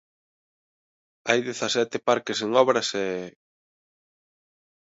Hai dezasete parques en obras e...